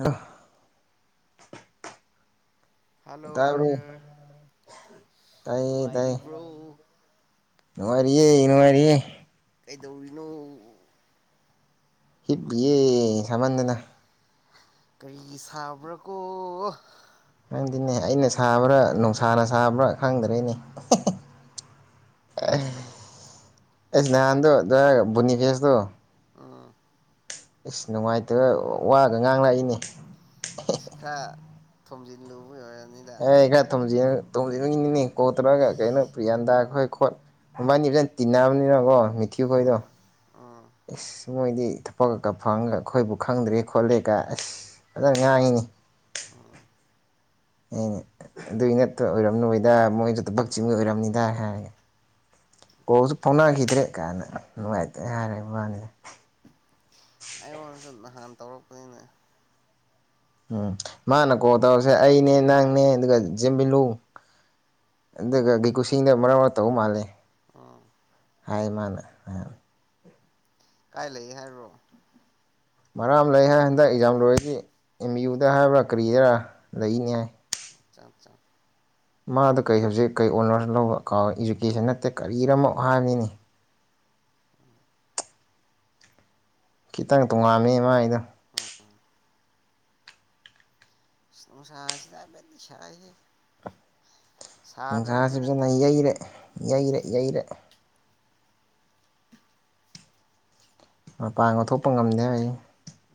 ꯑ ꯍꯜꯂꯣ ꯇꯥꯕ꯭ꯔꯣ ꯕ꯭ꯔꯖꯔ ꯅꯨꯡꯉꯥꯏꯔꯤꯕ꯭ꯔꯣ ꯏ ꯃꯥꯔꯤꯦ ꯏꯅ ꯃꯥꯔꯤꯦ ꯀꯩꯗꯧꯔꯤꯅꯣ ꯍꯤꯞ ꯌꯦ ꯁꯃꯗꯅ ꯀꯔꯤ ꯁꯥꯕ꯭ꯔꯥ ꯀꯣ ꯅꯪꯗꯤꯅꯦ ꯑꯩꯅ ꯁꯥꯕ꯭ꯔꯥ ꯅꯨꯡꯁꯥꯅ ꯁꯥꯕ꯭ꯔꯥ ꯈꯪꯗ꯭ꯔꯦꯅꯦ ꯑꯩꯁ ꯅꯍꯥꯟꯗꯣ ꯕꯨꯅꯤ ꯐꯦꯁꯇꯣ ꯎꯝ ꯏꯁꯁ ꯅꯨꯡꯉꯥꯏꯇꯕ ꯋꯥꯒ ꯉꯥꯡꯂꯛꯏꯅꯦ ꯁꯤꯀꯥ ꯊꯝꯖꯤ ꯂꯧꯕ ꯑꯦ ꯀ ꯇꯝꯖ ꯇꯧꯗꯨꯅ ꯏꯅꯤꯅꯦ ꯀꯣꯠꯔꯒ ꯀꯩꯅꯣ ꯄꯂꯤꯌꯥꯟꯗꯒꯈꯣꯏ ꯈꯣꯠ ꯍꯕꯥꯅꯤ ꯐꯖꯅ ꯇꯤꯟꯅꯕꯅꯤꯅꯀꯣ ꯃꯊꯌꯨꯈꯗꯣ ꯎꯝ ꯎꯝ ꯏ ꯃꯣꯏꯗꯤ ꯊꯕꯛꯒꯀ ꯐꯪꯒ ꯑꯩꯈꯣꯏꯕꯨ ꯈꯪꯗ꯭ꯔꯦ ꯈꯣꯠꯂꯦꯒ ꯑꯁ ꯐꯖꯅ ꯉꯥꯡꯉꯤꯅꯤ ꯎꯝ ꯑꯦꯅꯦ ꯑꯗꯨꯏ ꯅꯠꯇ ꯑꯣꯏꯔꯝ ꯅꯣꯏꯗ ꯃꯣꯏꯁꯨ ꯊꯕꯛ ꯆꯤꯡꯒꯤ ꯑꯣꯏꯔꯝꯅꯤꯗꯥ ꯍꯥꯏꯔꯒꯦ ꯍꯁꯨ ꯐꯣꯟꯒꯗ꯭ꯔꯦ ꯀꯩꯀꯥꯟꯅ ꯅꯨꯡꯉꯥꯏꯇꯦ ꯍꯥꯏꯔꯦ ꯏꯕꯥꯅꯤꯗ ꯑꯩꯉꯣꯟꯗꯁꯨ ꯅꯍꯥꯟ ꯇꯧꯔꯛꯄꯅꯤꯅꯦ ꯎꯝ ꯃꯥꯅ ꯀꯣꯜ ꯇꯧꯔꯁꯦ ꯑꯩꯅꯦ ꯅꯪꯅꯦ ꯑꯗꯨꯒ ꯆꯦꯟꯕꯤꯂꯨ ꯏꯒꯤ ꯈꯨꯁꯤꯅ ꯃꯔ ꯋꯥꯔ ꯇꯧ ꯃꯥꯜꯂꯦ ꯑꯥ ꯍꯥꯏꯃꯅ ꯀꯥꯏ ꯂꯩ ꯍꯥꯏꯕꯣ ꯃꯔꯥꯝ ꯂꯩ ꯍꯥꯏ ꯍꯟꯗꯛ ꯑꯦꯛꯖꯥꯝ ꯂꯣꯏꯔꯁꯤ ꯑꯦꯝ ꯏ ꯌꯨꯗ ꯍꯥꯏꯕ꯭ꯔꯥ ꯀꯔꯤꯗꯔꯥ ꯂꯩꯅꯤ ꯍꯥꯏ ꯑꯆꯥ ꯃꯥꯗ ꯀꯔꯤ ꯁꯕꯖꯦꯛ ꯀꯩ ꯑꯣꯅꯔꯁ ꯂꯧꯕ ꯀꯥꯎ ꯏꯖꯨꯀꯦꯁꯟ ꯅꯠꯇꯦ ꯀꯔꯤꯔꯝꯃꯛꯣ ꯍꯥꯏꯕꯅꯤꯅꯤ ꯈꯤꯇꯪ ꯇꯣꯉꯥꯝꯃꯤꯃ ꯑꯩꯗꯣ ꯎꯝ ꯁꯥꯁꯤꯗ ꯃꯗꯤ ꯁ ꯍꯦ ꯅꯨꯡꯁꯥꯁꯤꯖꯅ ꯌꯩꯔꯦ ꯌꯩꯔꯦ ꯌꯩꯔꯦ ꯃꯄꯥꯡꯒ ꯊꯣꯛꯄ ꯉꯝꯗꯦ ꯑꯩ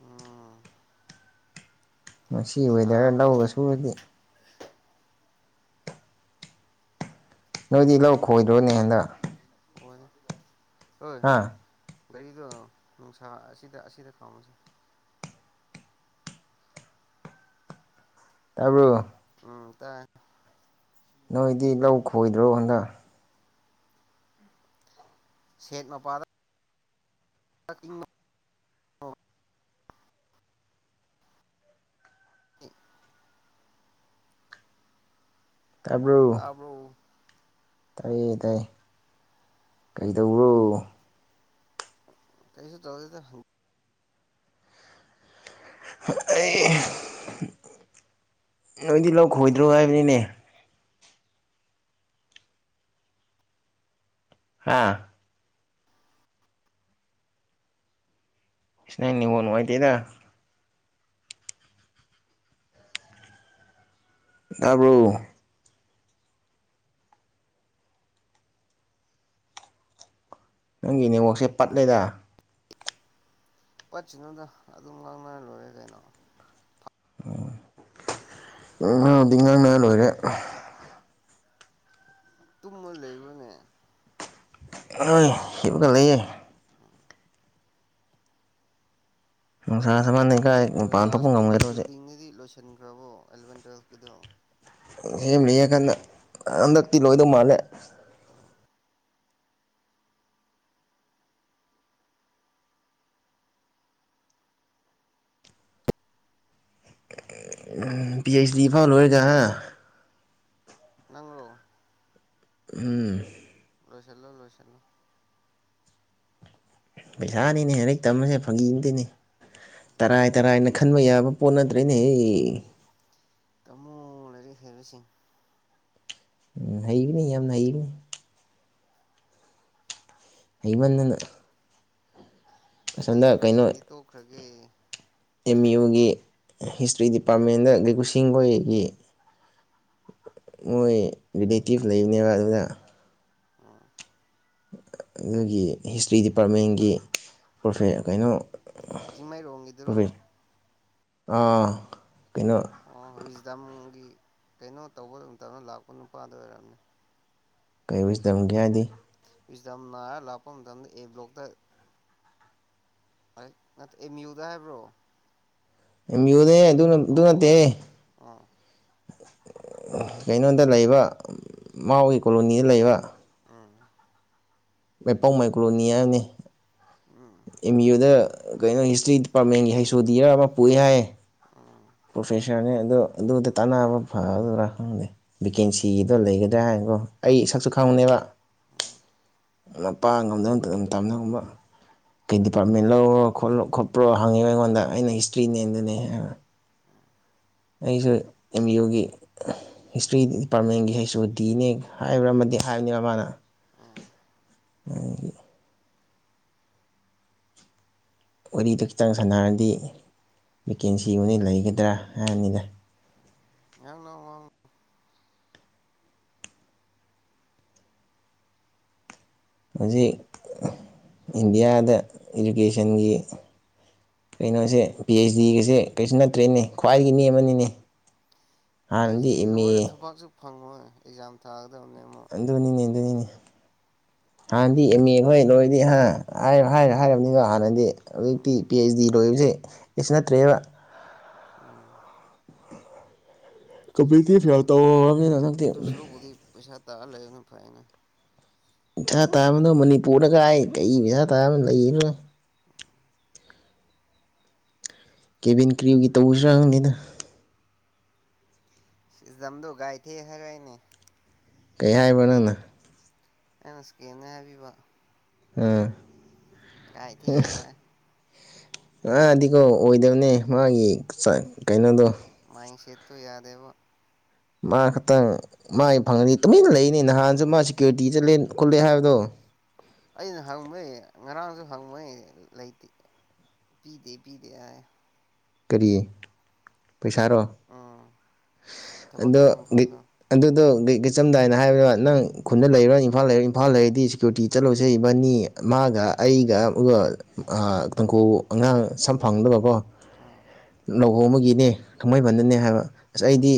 ꯎꯝ ꯃꯁꯤ ꯋꯦꯗꯔ ꯁꯥꯕꯁꯤꯗꯤ ꯂꯧꯒꯥꯁꯨꯗꯤ ꯅꯣꯏꯗꯤ ꯂꯧ ꯈꯣꯏꯗ꯭ꯔꯣꯅꯦ ꯍꯟꯗꯥꯛ ꯑꯣꯏ ꯍꯥꯥ ꯒꯥꯔꯤꯗꯣ ꯅꯨꯡꯁꯥ ꯑꯁꯤꯗ ꯑꯁꯤꯗ ꯈꯥꯎꯉꯁꯤꯦ ꯇꯥꯔꯕꯣ ꯎꯝ ꯇꯥꯏ ꯅꯣꯏꯗꯤ ꯂꯧ ꯈꯣꯏꯗ꯭ꯔꯣ ꯍꯟꯗꯛ ꯁꯦꯠ ꯃꯄꯥꯗ [unintelligible] [unintelligible] ꯇꯕꯣ ꯇꯥꯏ ꯇꯥꯏ ꯀꯩꯗꯧꯕꯔꯣ ꯀꯩꯁꯨ ꯇꯂꯗꯤꯗꯥ ꯑꯩ ꯅꯣꯏꯗꯤ ꯂꯧ ꯈꯣꯏꯗ꯭ꯔꯣ ꯍꯥꯏꯕꯅꯤꯅꯦ ꯍꯥꯥ ꯅꯩ ꯅꯦꯇꯋꯥꯛꯅꯨꯪꯉꯥꯏꯇ‌ꯦꯗꯥ ꯇꯕ꯭ꯔꯨꯣ ꯅꯪꯒꯤ ꯅꯦꯠꯋꯥꯛꯁꯦ ꯄꯠꯂꯦꯗ ꯄꯠꯁꯤꯅꯣꯗ ꯑꯗꯨꯝ ꯉꯥꯡꯅꯔ ꯂꯣꯏꯔꯦ ꯀꯩꯅꯣ ꯑꯣ ꯇꯉꯥꯡꯅꯔ ꯂ‌ꯣꯏꯔꯦ ꯇꯨꯝꯃ ꯂꯩꯕ꯭ꯔꯥꯅꯦ ꯍꯣꯏ ꯍꯒ ꯂꯩꯑꯦ ꯅꯨꯡꯁꯥ ꯁꯃꯥꯟꯅꯩꯀꯥꯏ ꯃꯄꯥꯟ ꯊꯣꯛꯄ ꯉꯝꯒꯗꯣꯁꯦ ꯁꯟꯈ꯭ꯔꯕꯣ ꯑꯦꯂꯦꯚꯦꯟ ꯇꯨꯋꯦꯜꯚ ꯀꯤꯗꯣ ꯁꯦꯝꯂꯤꯉꯀꯟꯗ ꯍꯟꯗꯛꯇꯤ ꯂꯣꯏꯗꯧ ꯃꯥꯜꯂꯦ ꯄꯍꯩꯁ ꯂꯤꯐꯥ ꯂꯣꯑꯣꯏꯒ ꯍꯥ ꯅꯪꯔꯣ ꯎꯝ ꯂꯣꯏꯁꯤꯂꯣ ꯂꯣꯏꯁꯤꯂꯣ ꯄꯩꯁꯥꯅꯤꯅꯦ ꯂꯥꯏꯔꯤꯛ ꯇꯝꯃꯁꯦ ꯐꯪꯈꯤꯗꯣꯏꯅꯦ ꯇꯔꯥꯏ ꯇꯔꯥꯏꯅ ꯈꯟꯕ ꯌꯥꯕ ꯄꯣꯠ ꯅꯠꯇ꯭ꯔꯦꯅꯦ ꯍ ꯇꯃꯣ ꯂꯩꯔꯤ ꯍꯦꯔꯁꯤ ꯎꯝ ꯍꯩꯕꯅꯤ ꯌꯥꯝꯅ ꯍꯩꯕꯅꯤ ꯑꯩꯃꯗꯅ ꯍꯣꯏ ꯍꯩꯇꯕ ꯁꯤꯡꯗꯤ ꯇꯣꯛꯈ꯭ꯔꯒꯦ ꯑꯦꯝ ꯌꯨꯒꯤ ꯍꯤꯁꯇ꯭ꯔꯤ ꯗꯤꯄꯥꯔꯠꯃꯦꯟꯗ ꯂꯩꯀꯨꯁꯤꯡꯒꯣꯏꯒꯤ ꯃꯣꯏ ꯔꯤꯂꯦꯇꯤꯞ ꯂꯩꯕꯅꯦꯕ ꯑꯗꯨꯗ ꯎꯝ ꯑꯗꯨꯒꯤ ꯍꯤꯁꯇ꯭ꯔꯤ ꯗꯤꯄꯥꯔꯠꯃꯦꯟꯒꯤ ꯀꯩꯅꯣ ꯔꯣꯡꯒꯤ ꯏꯗꯔꯣ ꯄ꯭ꯔꯣꯐꯦ ꯑꯥ ꯀꯩꯅꯣ ꯑꯣ ꯍꯁꯗꯥꯝꯒꯤ ꯀꯩꯅꯣ ꯇꯧꯕ ꯑꯗꯨꯝꯇꯅ ꯂꯥꯛꯄ ꯅꯨꯄꯥꯗ ꯑꯣꯏꯔꯝꯅꯤ ꯀꯩꯁꯤ ꯇꯝꯒꯦ ꯍꯥꯏꯗꯤ ꯏꯁꯗꯝꯅ ꯂꯥꯛꯄꯝꯗ ꯑꯦ꯭ꯂꯣꯛꯗ ꯔꯦ ꯅ ꯃꯤꯌꯗꯥ ꯍꯥꯏꯦꯕ꯭ꯔꯣ ꯌꯌꯅꯦ ꯑꯗꯨ ꯑꯗꯨ ꯅꯠꯇꯦ ꯑꯣ ꯑꯣ ꯑꯣ ꯀꯩꯅꯣꯗ ꯂꯩꯕ ꯃꯥꯎꯒꯤ ꯀꯣꯂꯣꯅꯤꯗ ꯂꯩꯕ ꯎꯝ ꯃꯩꯄꯥꯎ ꯃꯥꯏꯀ꯭ꯔꯣꯅꯤꯌꯥꯅꯤ ꯎꯝ ꯑꯦꯝ ꯏ ꯌꯨꯗ ꯀꯩꯅꯣ ꯍꯤꯁꯇ꯭ꯔꯤ ꯗꯤꯄꯥꯔꯠꯃꯦꯟꯒꯤ ꯍꯩꯁꯣꯗꯤꯔ ꯑꯃ ꯄꯣꯛꯏ ꯍꯥꯏ ꯎꯝ ꯄ꯭ꯔꯣꯐꯦꯁꯔꯅꯦ ꯑꯗꯨ ꯑꯗꯨꯗ ꯇꯥꯟꯅꯕ ꯐꯗꯔꯥ ꯈꯪꯗꯦ ꯚꯦꯀꯦꯟꯁꯤꯗꯣ ꯂꯩꯒꯗ꯭ꯔꯥ ꯍꯥꯏꯅꯀꯣ ꯑꯩ ꯁꯛꯁꯨ ꯈꯪꯕꯅꯦꯕ ꯎꯝ ꯄꯥ ꯉꯝꯗꯧ ꯇꯝꯒꯕ ꯀꯩ ꯗꯤꯄꯥꯔꯠꯃꯦꯟ ꯂꯧꯔꯣ ꯈ ꯈꯣꯠꯄ꯭ꯔꯣ ꯍꯪꯉꯤꯕ ꯑꯩꯉꯣꯟꯗ ꯑꯩꯅ ꯍꯤꯁꯇ꯭ꯔꯤꯅꯦꯦꯝꯗꯨꯅꯦ ꯍꯥꯏꯕ ꯑꯩꯁꯨ ꯑꯦꯝ ꯏ ꯌꯨꯒꯤ ꯍꯤꯁꯇ꯭ꯔꯤ ꯗꯤꯄꯥꯔꯠꯃꯦꯟꯒꯤ ꯑꯩꯁꯨ ꯗꯤ ꯑꯦꯅꯦ ꯍꯥꯏꯕ꯭ꯔꯥꯃ ꯍꯥꯏꯕꯅꯦꯕ ꯃꯥꯅ ꯎꯝ ꯋꯥꯔꯤꯗ ꯈꯤꯇꯪ ꯁꯥꯟꯅꯔꯗꯤ ꯚꯦꯀꯦꯟꯁꯤ ꯑꯣꯏꯅ ꯂꯩꯒꯗ꯭ꯔꯥ ꯍꯥꯏꯔꯅꯤꯗ ꯌꯥꯥꯡꯅ ꯍꯧꯖꯤꯛ ꯏꯟꯗꯤꯌꯥꯗ ꯏꯗꯨꯀꯦꯁꯟꯒꯤ ꯀꯩꯅꯣꯁꯦ ꯄꯤ ꯑꯩꯆ ꯗꯤꯒꯁꯦ ꯀꯩꯁꯨ ꯅꯠꯇ꯭ꯔꯦꯅꯦ ꯈ꯭ꯋꯥꯏꯒꯤ ꯃꯤ ꯑꯃꯅꯤꯅꯦ ꯀꯗꯤ ꯂꯣꯏꯔꯦ ꯊꯨꯕꯛꯁꯨ ꯐꯪꯉꯣ ꯑꯦꯛꯖꯥꯝ ꯊꯥꯒꯗ ꯑꯗꯨꯅꯤꯅꯦ ꯑꯗꯨꯅꯤꯅꯦ ꯍꯥꯟꯅꯗꯤ ꯑꯦꯝ ꯑꯦ ꯈꯣꯏ ꯂꯣꯏꯗꯤ ꯍꯥꯏꯔ ꯍꯥꯏꯔꯕꯅꯤꯗꯣ ꯍꯥꯟꯅꯗꯤ ꯍꯧꯖꯤꯛꯇꯤ ꯎꯝ ꯄꯤ ꯑꯩꯆ ꯗꯤ ꯂꯣꯏꯕꯁꯦ ꯑꯁꯤ ꯅꯠꯇ꯭ꯔꯕ ꯎꯝ ꯀꯝꯄꯂꯤꯇꯤ ꯑꯗꯨ ꯐꯦꯜ ꯇꯧꯔꯕꯅꯤꯅ ꯍꯟꯪꯛꯇꯤ ꯑꯗꯨ ꯁꯔꯨꯛꯄꯨꯗꯤ ꯄꯩꯁꯥ ꯇꯥꯔ ꯂꯩꯕꯅ ꯐꯩꯅ ꯄꯩꯁꯥ ꯇꯥꯕꯅꯣ ꯃꯅꯤꯄꯨꯔꯗꯒꯥꯏ ꯀꯩ ꯄꯩꯁꯥ ꯇꯥꯕ ꯂꯩꯅꯣꯏ ꯀꯦꯚꯟ ꯀ꯭ꯔꯤꯌꯨꯒꯤ ꯇꯧꯕꯁꯨꯅꯤꯅ ꯝꯗꯣ ꯥꯏ ꯊ ꯍꯔꯏꯅꯦ ꯀꯩ ꯍꯥꯏꯕ ꯅꯪꯅ ꯑꯦꯅꯀꯤꯦꯅ ꯍꯥꯏꯕꯤꯕ ꯑ ꯑ ꯏ ꯊ ꯍꯥꯏꯅ ꯑꯗꯤꯀꯣ ꯑꯣꯏꯗꯕꯅꯦ ꯃꯥꯒꯤ ꯀꯩꯅꯣꯗꯣ ꯁꯦꯣ ꯌꯥꯗꯦꯕ ꯃꯥ ꯈꯛꯇꯪ ꯃꯥꯏ ꯐꯪꯉꯅꯤ ꯇꯨꯃꯤꯟꯅ ꯂꯩꯅꯤ ꯅꯍꯥꯟꯁꯨ ꯃꯥ ꯎꯝ ꯁꯦꯀ꯭ꯌꯨꯔꯤꯇꯤ ꯆꯠꯂꯦ ꯀꯜꯂꯛꯑꯦ ꯍꯥꯏꯕꯗꯣ ꯑꯩꯅ ꯍꯪꯕꯩ ꯉꯔꯥꯡꯁꯨ ꯍꯪꯕꯩ ꯂꯩꯇꯦ ꯄꯤꯗꯦ ꯄꯤꯗꯦ ꯍꯥꯏ ꯀꯔꯤ ꯄꯩꯁꯥꯔꯣ ꯎꯝ ꯊꯕꯛ ꯑꯗꯣ ꯁꯨꯕ ꯃꯐꯝꯗꯣ ꯑꯗꯨꯗꯣ ꯀꯀ ꯆꯝꯗꯥꯏꯅ ꯍꯥꯏꯕꯗ ꯅꯪ ꯈꯨꯟꯗ ꯂꯩꯔꯣ ꯏꯝꯐꯥꯜ ꯂꯩꯔꯣ ꯏꯝꯐꯥꯜ ꯂꯩꯔꯗꯤ ꯁꯦꯀ꯭ꯌꯨꯔꯤꯇꯤ ꯆꯠꯂꯨꯁꯦ ꯏꯕꯅꯤ ꯃꯥꯒ ꯑꯩꯒ ꯑꯗꯨꯒ ꯇꯥꯡꯈꯨ ꯑꯉꯥꯡ ꯁꯝ ꯐꯪꯗꯕꯀꯣ ꯎꯝ ꯂꯧꯍ ꯑꯃꯒꯤꯅꯦ ꯊꯥꯡꯃꯩꯕꯟꯗꯅꯦ ꯍꯥꯏꯕ ꯑꯁ ꯎꯝ ꯑꯩꯗꯤ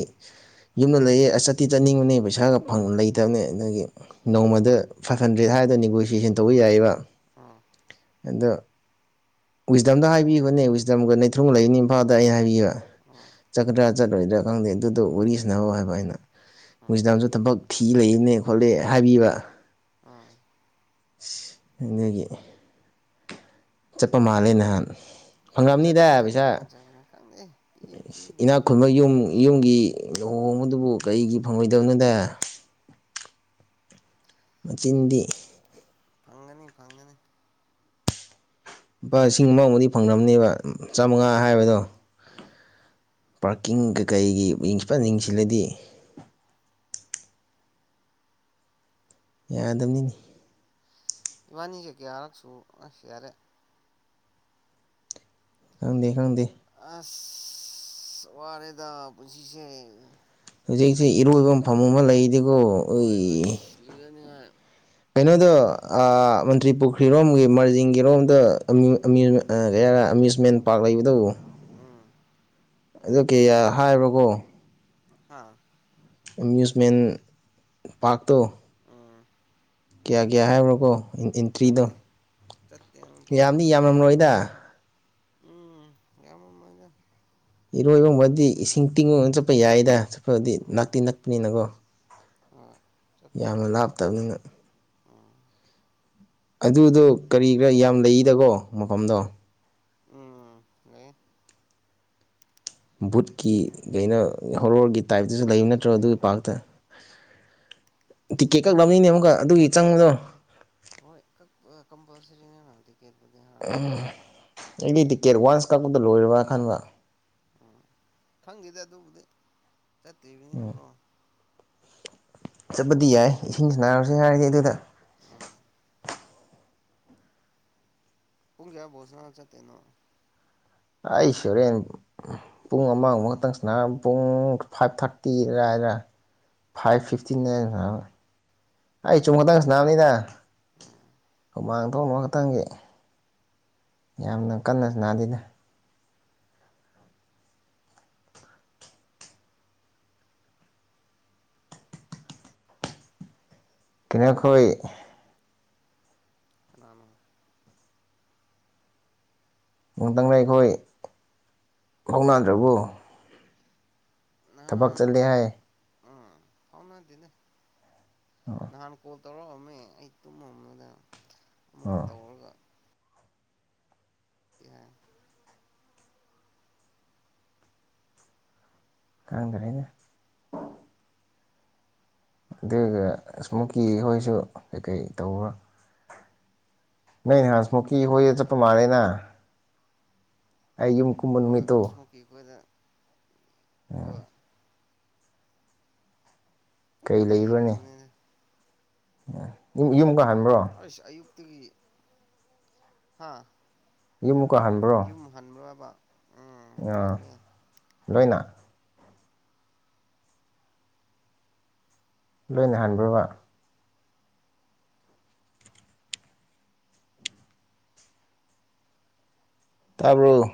ꯌꯨꯝꯗ ꯂꯩꯌꯦ ꯑꯁ ꯆꯠꯇꯤ ꯆꯠꯅꯤꯡꯕꯅꯦ ꯄꯩꯁꯥꯒ ꯂꯩꯇꯕꯅꯦ ꯑꯗꯒꯤ ꯅꯣꯡꯃꯗ ꯐꯥꯏꯚ ꯍꯟꯗ꯭ꯔꯦꯗ ꯍꯥꯏꯔꯒ ꯅꯦꯒꯣꯁꯤꯌꯦꯁꯟ ꯇꯧꯕ ꯌꯥꯏꯌꯦꯔꯥ ꯎꯝ ꯑꯗꯣ ꯋꯤꯁꯗꯝꯗ ꯍꯥꯏꯕꯤꯕꯅꯦ ꯋꯤꯁꯗꯝꯒ ꯑꯨꯡ ꯂꯩꯅꯤ ꯏꯝꯐꯥꯜꯗ ꯑꯩ ꯍꯥꯏꯕꯤꯕ ꯎꯝ ꯆꯀ꯭ꯔ ꯆꯠꯂꯔꯣꯏꯗ꯭ꯔꯥ ꯈꯪꯗꯦ ꯑꯗꯨꯗꯣ ꯋꯥꯔꯤꯁꯤꯅꯅꯕꯧ ꯍꯥꯏꯕ ꯑꯩꯅ ꯎꯝ ꯋꯤꯁꯤꯗꯥꯝꯁꯨ ꯊꯕꯛ ꯐꯤ ꯂꯩꯅꯦ ꯈꯣꯠꯂ ꯍꯥꯏꯕꯤꯕ ꯎꯝ ꯑꯗꯒꯤ ꯆꯠꯄ ꯃꯥꯜꯂꯦ ꯅꯍꯥꯟ ꯆꯠ ꯐꯪꯉꯝꯅꯤꯗ ꯆꯠꯄꯅꯦ ꯄꯩꯁꯥ ꯆꯄꯅꯦ ꯏꯅꯥꯛ [unintelligible] ꯈꯨꯟꯕ ꯌꯨꯝ ꯌꯨꯝꯒꯤ ꯂꯨꯍꯣꯡ ꯑꯗꯨꯕꯨ ꯀꯔꯤꯒꯤ ꯊꯨꯡꯉꯣꯏꯗꯕꯅꯗ ꯃꯆꯤꯟꯗꯤ ꯐꯪꯒꯅꯤ ꯐꯪꯒꯅꯤ ꯂꯨꯄꯥ ꯂꯤꯁꯤꯡ ꯑꯃꯕꯨꯗꯤ ꯐꯪꯅꯦꯕ ꯎꯝ ꯆꯥꯝꯃꯉꯥ ꯍꯥꯏꯕꯗꯣ ꯎꯝ ꯄꯥꯔꯀꯤꯡ ꯀꯩꯀꯩꯒꯤ ꯌ‌ꯦꯡꯁꯤꯜꯂꯗꯤ ꯌꯥꯗꯕꯅꯤꯅꯤ ꯏꯕꯥꯅꯤꯁꯦ ꯀꯌꯥꯔꯛꯁꯨ ꯌꯥꯔꯦ ꯈꯪꯗꯦ ꯈꯪꯗꯦ ꯑꯁ ꯋꯥꯔꯦꯗ ꯄꯨꯟꯁꯤꯁꯦ ꯍꯧꯖꯤꯛꯁꯤ ꯏꯔꯣꯏꯕ ꯃꯐꯝ ꯑꯃ ꯂꯩꯗꯤ ꯍꯣꯏ ꯑꯁ ꯂꯨꯖꯅꯤꯅꯨꯡꯉꯥꯏ ꯀꯩꯅꯣꯗꯣ ꯃꯟꯇ꯭ꯔꯤꯄꯨꯈ꯭ꯔꯤꯔꯣꯝꯒꯤ ꯃꯥꯔꯖꯤꯡꯒꯤꯔꯣꯝꯗ‌ꯣ ꯑꯃꯌꯨꯁ ꯀꯩ ꯍꯥꯏꯔꯦ ꯑꯃ꯭ꯌꯨꯁꯃꯦꯟ ꯄꯥꯔꯛ ꯂꯩꯕꯇꯕꯨ ꯎꯝ ꯑꯗꯨ ꯀꯌꯥ ꯍꯥꯏꯕ꯭ꯔꯣꯀꯣ ꯑꯥ ꯑꯦꯃꯤ꯭ꯌꯨꯁꯃꯦꯟ ꯄꯥꯔꯛ ꯇꯣ ꯎꯝ ꯀꯌꯥ ꯀꯌꯥ ꯍꯥꯏꯕ꯭ꯔꯣꯀꯣ ꯑꯦꯟꯇ꯭ꯔꯤꯗꯣ ꯈꯪꯗꯦ ꯆꯠꯇꯦ ꯑꯃꯐꯥꯎ ꯌꯥꯝꯗꯤ ꯌꯥꯝꯔꯝꯔꯣꯏꯗ ꯎꯝ ꯌꯥꯝꯃ ꯃꯖ ꯏꯔꯣꯏꯕꯕꯗꯤ ꯏꯁꯤꯡ ꯇꯤꯡꯉꯒꯅ ꯆꯠꯄ ꯌꯥꯏꯗ ꯆꯠꯄꯗꯤ ꯅꯥꯛꯇꯤ ꯎꯝ ꯅꯛꯄꯅꯤꯅꯀꯣ [unintelligible] ꯌꯥꯝꯅ ꯌꯥꯏ ꯂꯥꯞꯇꯕꯅꯤꯅ ꯎꯝ ꯑꯗꯨꯗꯣ ꯀꯔꯤꯔꯥ ꯌꯥꯝ ꯂꯩꯔꯤꯗꯀꯣ ꯃꯐꯝꯗꯣ ꯎꯝ ꯂꯩ ꯕꯨꯠꯀꯤ ꯀꯩꯅꯣ ꯍꯣꯔꯣꯔꯒꯤ ꯇꯥꯏꯞꯇꯨꯁꯨ ꯂꯩꯕ ꯅꯠꯇ꯭ꯔꯣ ꯂꯩꯕꯅꯦ ꯑꯗꯨꯒꯤ ꯂꯩꯕꯅꯦ ꯄꯥꯛꯔꯇ‌ꯣ ꯇꯤꯛꯀꯦꯠ ꯀꯛꯂꯕꯅꯤꯅꯦ ꯑꯃꯨꯛꯀ ꯑꯗꯨꯒꯤ ꯆꯪꯕꯗꯣ ꯀꯝꯄꯜꯁꯔꯤꯅꯦꯅ ꯇꯤꯀꯦꯠꯄꯨꯗꯤ ꯍꯥ ꯎꯝ ꯑꯩꯗꯤ ꯇꯤꯛꯀꯦꯠ ꯋꯥꯟꯁ ꯀꯛꯄꯗ ꯂꯣꯏꯔꯕ꯭ꯔꯥ ꯈꯟꯕ꯭ꯔ ꯎꯝ ꯈꯪꯈꯤꯗ ꯑꯗꯨꯕꯨꯗꯤ ꯆꯠꯇꯅꯤꯅꯨ ꯀꯣ ꯆꯠꯄꯗꯤ ꯌꯥꯏ ꯏꯁꯤꯡꯁꯤ ꯅꯥꯔꯁꯦ ꯍꯥꯏꯔꯗꯤ ꯑꯗꯨꯗ ꯎꯝ ꯄꯨꯡ ꯀ ꯣꯁꯅ ꯆ ꯇꯦꯡꯅꯣ ꯑꯩꯁꯨ ꯍꯣꯔꯦꯟ ꯄꯨꯡ ꯑꯃꯕ ꯈꯛꯇꯪꯁꯤꯅ ꯄꯨꯡ ꯐꯥꯏꯚ ꯊꯥꯔꯇꯤꯗ ꯍꯥꯏꯗꯅ ꯐꯥꯏꯚ ꯎꯝ ꯐꯤꯞꯇꯤ ꯅꯥꯏꯟ ꯑꯩ ꯆꯨꯝ ꯈꯛꯇꯪ ꯁꯅꯥꯕꯅꯤꯅ ꯎꯝ ꯃꯥꯡꯗꯣꯛꯑꯝ ꯑꯃ ꯈꯇꯪꯒꯤ ꯌꯥꯝꯅ ꯀꯟꯅꯁꯨ ꯅꯥꯗꯗ ꯀꯅꯈꯣꯏ ꯑꯅ ꯅꯨꯡꯊꯪꯅ ꯑꯩꯈꯣꯏ ꯍꯧꯧꯅꯥꯗ꯭ꯔꯕꯨ ꯊꯕꯛ ꯆꯠꯂꯦ ꯍꯥꯏ ꯊꯥꯎꯅꯗꯤꯅ ꯅꯍꯥꯟ ꯀꯣꯜ ꯇꯧꯔꯛꯑꯝꯃꯦ ꯑꯩ ꯇꯨꯝꯃ ꯑꯃꯗ ꯑꯃꯨꯛ ꯑꯣ ꯇꯧꯔꯒ ꯍꯥꯏ ꯀꯪꯗ꯭ꯔꯦꯅ ꯑꯗꯨꯒ ꯏꯁꯃꯣꯀꯤ ꯍꯣꯏꯁꯨ ꯀꯩꯀꯩ ꯇꯧꯕ ꯅꯅꯤ ꯍꯁꯃꯨꯀꯤ ꯍꯣꯏ ꯆꯞꯄ ꯃꯥꯥꯔꯦꯅ ꯑꯩ ꯌꯨꯝ ꯍꯣꯏ ꯀꯨꯃꯟꯃꯤꯇꯣ ꯏꯁꯃꯣꯀꯤ ꯑꯩꯈꯣꯏꯗ ꯍꯣꯏ ꯀꯩ ꯂꯩꯔꯣꯅꯤ ꯅꯩꯔꯨꯕꯅꯤꯅ ꯏꯃꯒ ꯑ ꯑꯨ ꯍꯥꯥ ꯌ ꯌꯨꯝ ꯍꯟꯕ꯭ꯔꯣꯕ ꯎꯝ ꯑ ꯍꯜꯂꯦ ꯂꯣꯏꯅ ꯂꯣꯏꯅ ꯍꯟꯥꯟꯕ꯭ꯔꯕ ꯇꯥꯔꯕꯣ